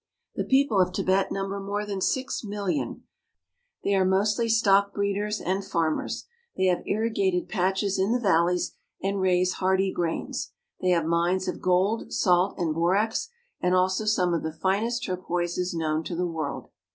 The people of Tibet number more than six millions. They are mostly stock breeders and farmers. They have irrigated patches in the val leys and raise hardy grains. They have mines of gold, salt, and borax ; and also some of the finest turquoises known to the world.